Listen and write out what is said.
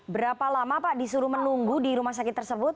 berapa lama pak disuruh menunggu di rumah sakit tersebut